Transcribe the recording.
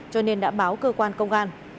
cho nên đã báo cơ quan công an